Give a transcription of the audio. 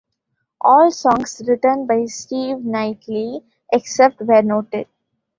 All songs written by Steve Knightley, except where noted.